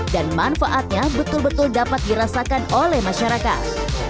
dan manfaatnya betul betul dapat dirasakan oleh masyarakat